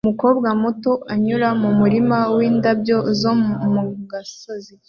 Umukobwa muto anyura mu murima windabyo zo mu gasozi